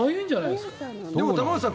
でも、玉川さん